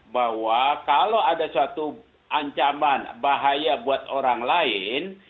bahwa kalau ada suatu ancaman bahaya buat orang lain